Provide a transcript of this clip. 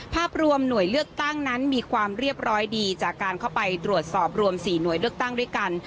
ภาพรวมหน่วยเลือกตั้งนั้นมีความเรียบร้อยดีจากการเข้าไปตรวจสอบรวม๔หน่วยเลือกตั้งด้วยกัน